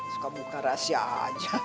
suka buka rahasia aja